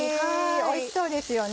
おいしそうですよね。